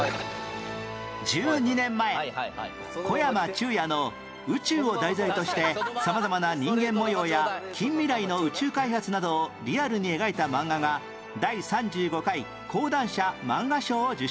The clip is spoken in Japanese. １２年前小山宙哉の宇宙を題材として様々な人間模様や近未来の宇宙開発などをリアルに描いた漫画が第３５回講談社漫画賞を受賞